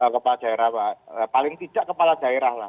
kepala daerah pak paling tidak kepala daerah lah